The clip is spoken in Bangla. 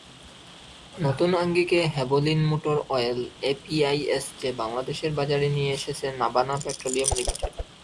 নতুন আঙ্গিকে হ্যাভোলিন মোটর অয়েল এপিআইএসজে বাংলাদেশের বাজারে নিয়ে এসেছে নাভানা পেট্রোলিয়াম লিমিটেড।